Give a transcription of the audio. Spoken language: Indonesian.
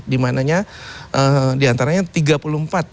dimana diantaranya tiga pendidikan